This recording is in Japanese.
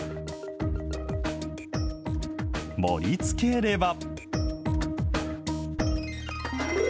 盛りつければ。